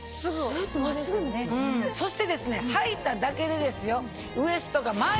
そしてはいただけでですよ。